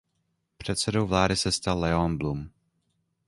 Předsedou vlády se stal Léon Blum.